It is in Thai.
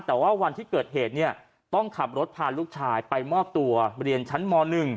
แต่ว่าวันที่เกิดเหตุเนี่ยต้องขับรถพาลูกชายไปมอบตัวเรียนชั้นม๑